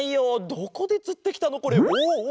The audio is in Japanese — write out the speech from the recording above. どこでつってきたのこれ？